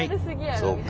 そうか。